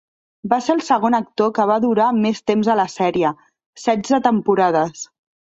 Va ser el segon actor que va durar més temps a la sèrie, setze temporades.